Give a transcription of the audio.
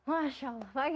masya allah pak gary